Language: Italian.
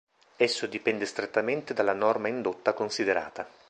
Esso dipende strettamente dalla norma indotta considerata.